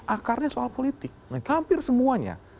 akarnya soal politik hampir semuanya